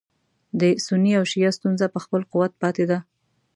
د سني او شیعه ستونزه په خپل قوت پاتې ده.